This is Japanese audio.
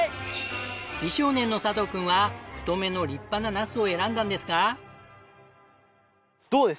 美少年の佐藤くんは太めの立派なナスを選んだんですが。